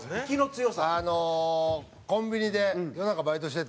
あのコンビニで夜中バイトしてて。なあ？